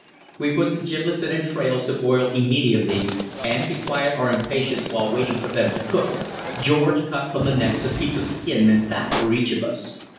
We put the giblets and entrails to boil immediately, and, to quiet our impatience while waiting for them to cook, George cut from the necks a piece of skin and fat for each of us.